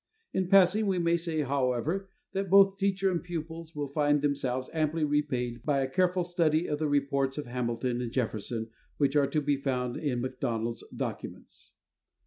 In passing, we may say, however, that both teacher and pupils will find themselves amply repaid by a careful study of the reports of Hamilton and Jefferson which are to be found in Macdonald's "Documents."